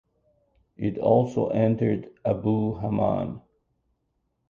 It also entered Abu Hamam.